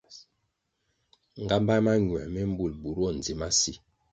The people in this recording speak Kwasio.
Nğámbá mañuer mi mbul bur bo ndzi ma si.